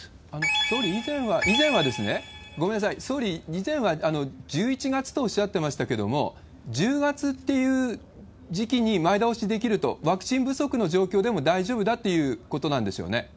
総理、以前はですね、ごめんなさい、総理、以前は１１月とおっしゃってましたけども、１０月っていう時期に前倒しできると、ワクチン不足の状況でも大丈夫だっていうことなんですよね？